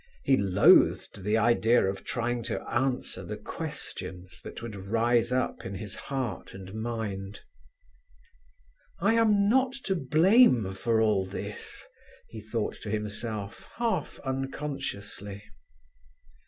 He loathed the idea of trying to answer the questions that would rise up in his heart and mind. "I am not to blame for all this," he thought to himself, half unconsciously.